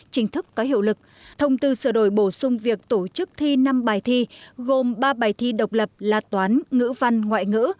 chính thức có hiệu lực thông tư sửa đổi bổ sung việc tổ chức thi năm bài thi gồm ba bài thi độc lập là toán ngữ văn ngoại ngữ